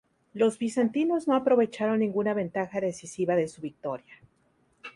Los bizantinos no aprovecharon ninguna ventaja decisiva de su victoria.